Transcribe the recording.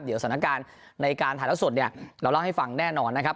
เดี๋ยวสถานการณ์ในการถ่ายแล้วสดเนี่ยเราเล่าให้ฟังแน่นอนนะครับ